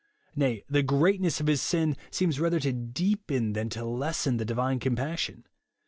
Nay, the great ness of liis sm seems rather to deepen than to lessen tiie divine compassion.